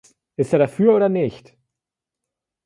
Ist er dafür oder nicht?